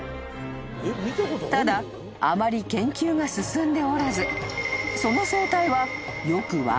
［ただあまり研究が進んでおらずその］